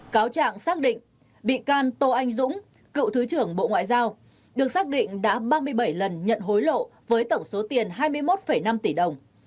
cáo trạng xác định bị can tô anh dũng cựu thứ trưởng bộ ngoại giao được xác định đã ba mươi bảy lần nhận hối lộ với tổng số tiền hai mươi một năm tỷ đồng